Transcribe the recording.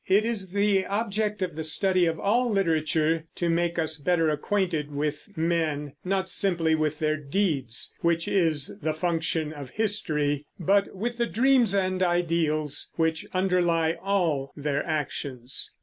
It is the object of the study of all literature to make us better acquainted with men, not simply with their deeds, which is the function of history, but with the dreams and ideals which underlie all their actions.